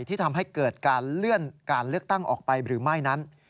ที่ทำให้เกิดการเลื่อนการเลือกตั้งออกไปหรือไม่นั้น